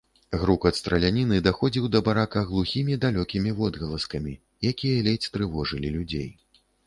Грукат страляніны даходзіў да барка глухімі, далёкімі водгаласкамі, якія ледзь трывожылі людзей.